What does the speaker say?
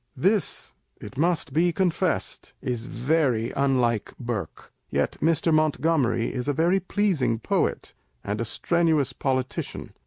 * This, it must be confessed, is very unlike Burke : yet Mr. Montgomery is a very pleasing poet, and a strenuous politician.